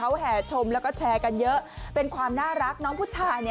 อ้าดไปคนละทางแล้วอ้าคุณผู้ชม